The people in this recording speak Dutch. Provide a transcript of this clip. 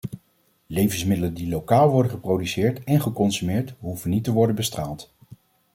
Levensmiddelen die lokaal worden geproduceerd en geconsumeerd, hoeven niet te worden bestraald.